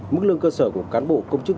mức lương cơ sở của cán bộ công chức